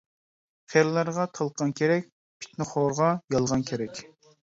قېرىلارغا تالقان كېرەك، پىتنىخورغا يالغان كېرەك.